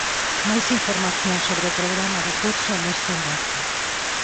Máis información sobre o programa do curso neste enlace.